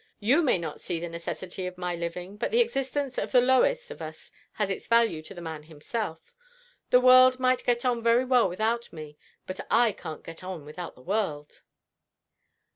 You may not see the necessity of my living, but the existence of the lowest of us has its value to the man himself. The world might get on very well without me, but I can't get on without the world."